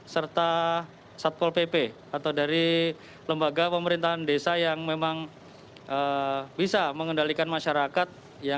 serta satpol pp atau dari lembaga pemerintahan desa yang memang bisa mengendalikan masyarakat